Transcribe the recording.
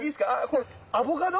これアボカド？